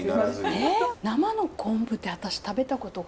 えっ生の昆布って私食べたことが。